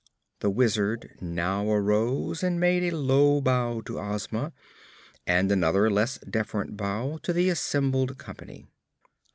The Wizard now arose and made a low bow to Ozma and another less deferent bow to the assembled company.